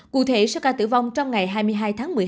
cụ thể số ca tử vong trong ngày hai mươi hai tháng một mươi hai